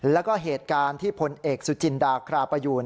แล้วก็เหตุการณ์ที่พลเอกสุจินดาคราประยูน